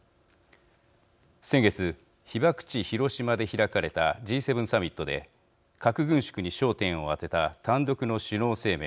先月、被爆地、広島で開かれたＧ７サミットで核軍縮に焦点を当てた単独の首脳声明